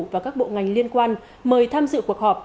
và các bộ ngành liên quan mời tham dự cuộc họp